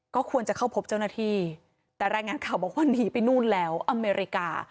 ก็ควรจะเข้าพบเจ้าหน้าที่แต่รายงานข่าวบอกว่าหนีไปนู่นแล้วอเมริกา